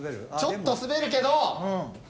ちょっと滑るけど。